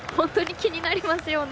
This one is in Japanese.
気になりますよね。